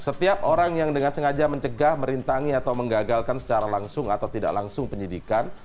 setiap orang yang dengan sengaja mencegah merintangi atau menggagalkan secara langsung atau tidak langsung penyidikan